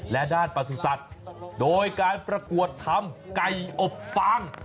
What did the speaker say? และด้านประสุทธิ์โดยการประกวดทำไก่อบฟาง